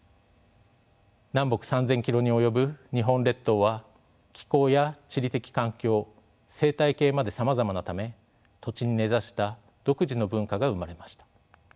南北３，０００キロに及ぶ日本列島は気候や地理的環境生態系までさまざまなため土地に根ざした独自の文化が生まれました。